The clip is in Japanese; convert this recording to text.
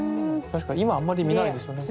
確か今あんまり見ないですよね。